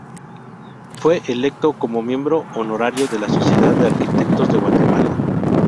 Fue electo como Miembro Honorario de la Sociedad de Arquitectos de Guatemala.